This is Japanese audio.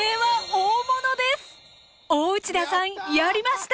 大内田さんやりました！